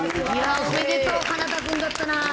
おめでとう、奏君だったな。